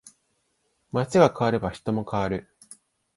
街が変われば人も変わる